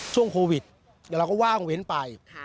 ช่วงโควิดเราก็ว่างเว้นไป